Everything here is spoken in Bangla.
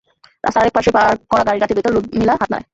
রাস্তার আরেক পাশে পার্ক করা গাড়ির কাচের ভেতর রুদমিলা হাত নাড়ায়।